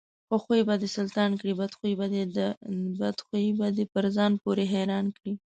ښه خوى به دسلطان کړي، بدخوى به دپرځان پورې حيران کړي.